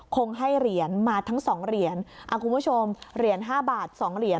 คงให้เหรียญมาทั้งสองเหรียญคุณผู้ชมเหรียญห้าบาทสองเหรียญ